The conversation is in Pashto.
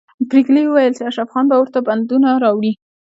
پريګلې وویل چې اشرف خان به ورته بندونه راوړي